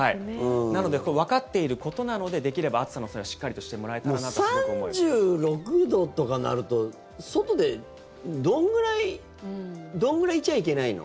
なのでわかっていることなのでできれば暑さの備えをしっかりとしてもらえたらなともう３６度とかなると外でどんぐらいいちゃいけないの？